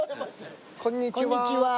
こんにちは。